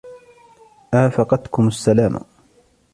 رافقتكم السلامة.